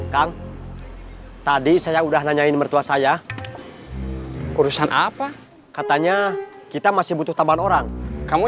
kang tadi saya udah nanyain mertua saya urusan apa katanya kita masih butuh tambahan orang kamu